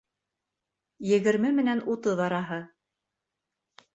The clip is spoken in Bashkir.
Егерме менән утыҙ араһы.